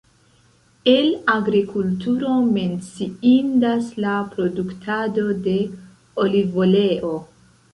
El agrikulturo menciindas la produktado de olivoleo.